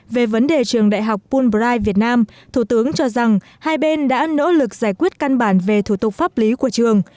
về vấn đề trường đại học bulbright việt nam thủ tướng cho rằng hai bên đã nỗ lực giải quyết căn bản về thủ tục pháp lý của trường